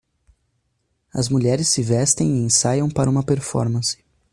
As mulheres se vestem e ensaiam para uma performance.